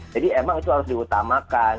jadi emang itu harus diutamakan